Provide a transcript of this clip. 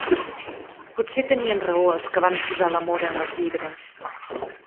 Potser tenien raó els que van posar l'amor en els llibres.